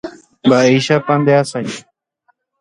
Mba'éichapa ndeasaje.